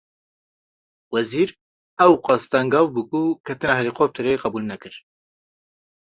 Wezîr, ew qas tengav bû ku ketina helîkopterê qebûl nekir